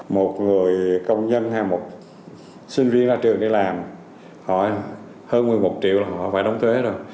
một người công nhân hay một sinh viên ra trường đi làm họ hơn một mươi một triệu là họ phải đóng thuế rồi